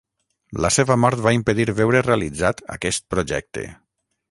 La seva mort va impedir veure realitzat aquest projecte.